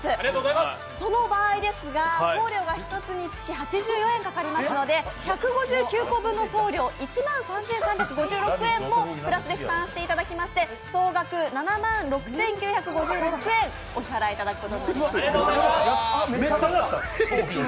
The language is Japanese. その場合ですが送料が１つにつき８４円かかりますので１５９個分の送料、１万３３５６円もプラスで負担していただきまして総額７万６９５６円、お支払いいただくことになります。